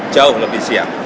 jauh lebih siap